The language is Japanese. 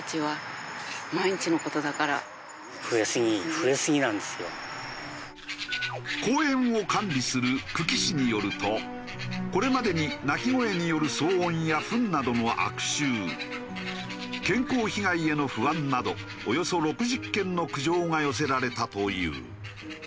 これは公園を管理する久喜市によるとこれまでに鳴き声による騒音やフンなどの悪臭健康被害への不安などおよそ６０件の苦情が寄せられたという。